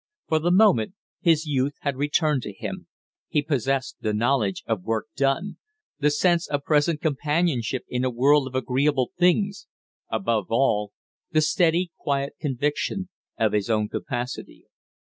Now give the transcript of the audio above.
For the moment his youth had returned to him; he possessed the knowledge of work done, the sense of present companionship in a world of agreeable things; above all, the steady, quiet conviction of his own capacity.